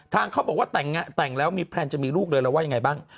เขาบอกว่าแต่งแล้วมีแพลนจะมีลูกเลยเราว่ายังไงบ้าง